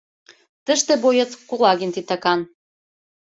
— Тыште боец Кулагин титакан.